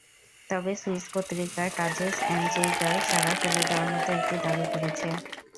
তবে সুইস পত্রিকা Tages Anzeiger সাড়া ফেলে দেওয়ার মতো একটা দাবি করেছে।